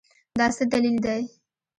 دا څه دلیل دی ؟